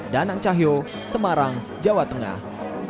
danang cahyo semarang jawa tengah